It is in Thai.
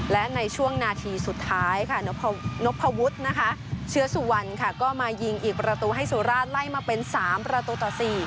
และในช่วงนาทีสุดท้ายค่ะนพวุฒินะคะเชื้อสุวรรณค่ะก็มายิงอีกประตูให้สุราชไล่มาเป็น๓ประตูต่อ๔